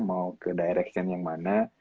mau ke direction yang mana